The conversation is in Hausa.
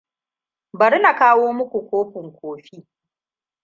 Bari na kawo muku kofin kofi.